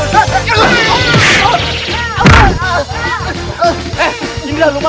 kita ikut lagi kita butuh